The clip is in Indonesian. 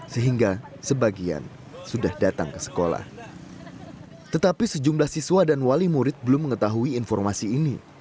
sejak tahun ini sejumlah siswa dan wali murid belum mengetahui informasi ini